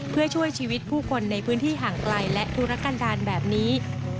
เพื่อช่วยชีวิตผู้คนในพื้นที่ห่างไกลและธุรกันดาลแบบนี้